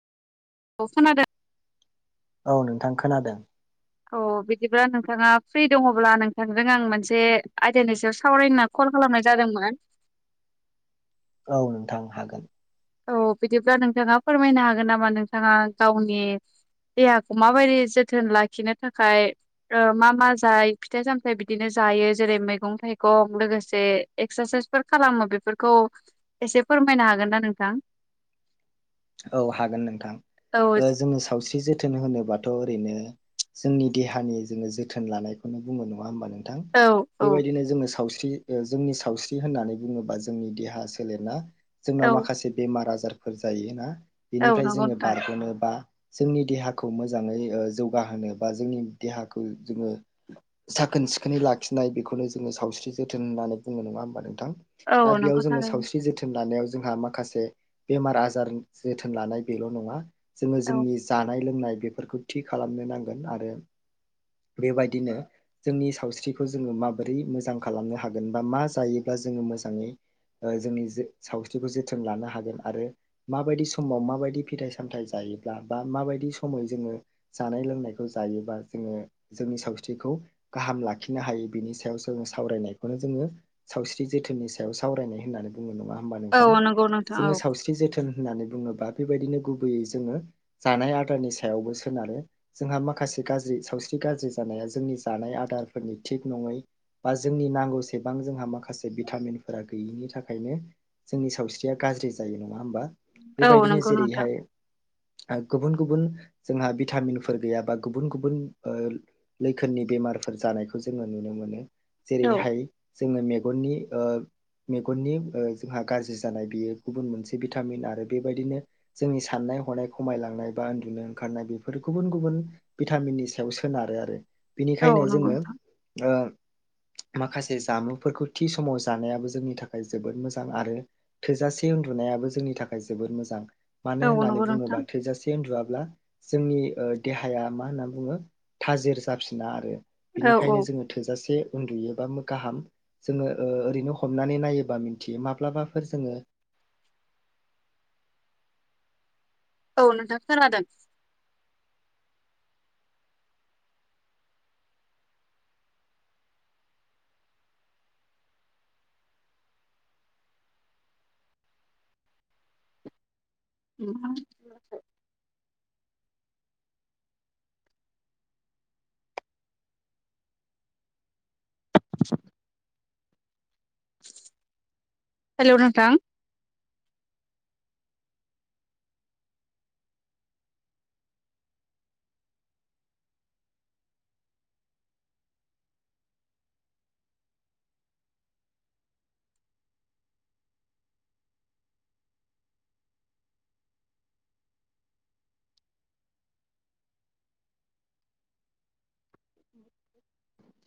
[unintelligible] औ नोंथां खोनादों अ बिदिब्ला नोंथाङा फ्रि दङब्ला नोंथांजों आं मोनसे आइदानि सायाव सावरायनो क कल खालामनाय जादोंमोन। औ नोंथां हागोन। औ बिदिब्ला नोंथाङा फोरमायनो हागोन नामा नोंथाङा गावनि देहाखौ माबायदि जोथोन लाखिनो थाखाय ओ मा मा जाय फिथाइ सामथाइ बिदिनो जायो जेरै मैगं थाइगं लोगोसे एक्सासाइसफोर खालामो बेफोरखौ एसे फोर फोरमायनो हागोन ना नोंथां? औ हागोन नोंथां औ ओ जोङो सावस्रि जोथोन होनोबा थ' ओरैनो जोंनि देहानि जोङो जोथोन लानायखौनो बुङो नङा होमबा नों थां औ औ बेबायदिनो जोङो साव थि ओ जोंनि सावस्रि होननानै बुङोबा जोंनि देहा सोलेरना औ जोंनाव माखासे बेमार आजार फोर जायो ना औ बेनिफ्राय नंगौ जोङो नोंथां बारग'नो बा जोंनि देहाखौ मोजाङै ओ जौगाहोनो बा जोंनि देहाखौ जोङो साखोन सिखोनै लाखिनाय बेखौनो जोङो सावस्रि जोथोन होननानै बुङो नङा होमबा नोंथां? औ दा बेयाव नंगौ जोङो थारैनो सावस्रि जोथोन लानायाव जोंहा माखासे बेमार आजार जोथोन लानाय बेल' नङा जोङो औ जोंनि जानाय लोंनाय बेफोरखौ थि खालामनो नांगोन आरो बेबायदिनो जोंनि सावस्रिखौ जोङो माबोरै मोजां खालामनो हागोन बा मा जायोब्ला जो जोङो मोजाङै ओ जोंनि जे सावस्रिखौ जोथोन लानो हागोन आरो माबायदि समाव माबायदि फिथाइ सामथाइ जायो योब्ला बा माबायदि समै जोङो जानाय लोंनायखौ जायोबा जोङो जोंनि सावस्रिखौ गाहाम लाखिनो हायो बिनि सायाव जोङो सावरायनायखौनो जोङो सावस्रि जो थोननि सायाव सावरायनाय होननानै बुङो नङा होमबा नोंथां औ नंगौ नोंथां औ जोङो सावस्रि जोथोन होननानै बुङो बा बेबायदिनो गुबैयै जोङो जानाय आदारनि सायावबो सोनारो जोंहा माखासे गाज्रि सावस्रि नि गाज्रि जानाया जोंनि जानाय आदारफोरनि थिग नङै बा जोंनि नांगौसेबां जोंहा माखासे भिटामिनफोरा गैयिनि थाखायनो जोंनि सावस्रिया गाज्रि जायो नङा होमबा औ बेबायदिनो नंगौ नोंथां जेरैहाय ओ गुबुन गुबुन जोंहा भिटामिनफोर गैयाबा गुबुन गुबुन ओ लैखोननि बेमारफोर जानायखौ जोङो नुनो मोनो औ जेरैहाय जोङो मे गनि ओ मेगननि ओ जोंहा गाज्रि जानाय बेयो गुबुन मोनसे भिटामिन आरो बेबायदिनो जोंनि सानना नाय हनाय खमायलांनाय बा उन्दुनो ओंखारनाय बेफोर गुबुन गुबुन भिटामिननि सा सायाव सोनारो आरो औ बिनिखायनो नंगौ जोङो नोंथां ओ माखासे जामुफोरखौ थि समाव जानायाबो जोंनि थाखाय जोबोद मोजां आरो थोजासे उन्दु नायाबो जोंनि थाखाय जोबोर मोजां। मानो औ होननानै नंगौ नोंथां बुङोब्ला थोजासे उन्दुवाब्ला जोंनि ओ देहाया मा होनना बुङो थाजिर जाफिना आरो औ औ बिनिखायनो जोङो थोजासे उन्दुयोबा गाहाम जोङो ओ ओरैनो हमनानै नायोबा मिन्थियो माब्लाबाफोर जोङो [inaudible] औ नोंथां खोनादों [unintelligible] [inaudible] हेलौ नोंथां [inaudible]